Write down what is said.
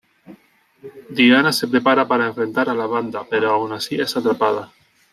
Diana se prepara para enfrentar a la banda pero aun así es atrapada.